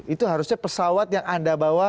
itu harusnya pesawat yang anda bawa